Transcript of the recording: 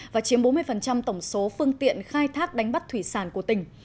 và chiếm bốn mươi tổng số phương tiện khai thác đánh bắt thủy sản của tỉnh